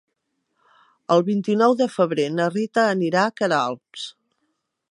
El vint-i-nou de febrer na Rita anirà a Queralbs.